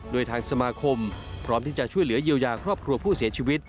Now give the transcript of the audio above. โดยทางสมาคมพร้อมที่จะช่วยเหลือเยียวยาครอบครัวผู้เสียชีวิต